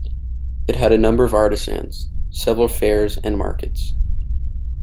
It had a number of artisans, several fairs and markets.